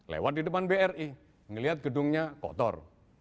lewat di depan bri melihat gedungnya kotor